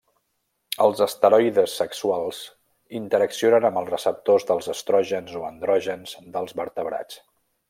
Els esteroides sexuals interaccionen amb els receptors dels estrògens o andrògens dels vertebrats.